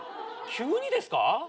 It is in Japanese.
急にですか？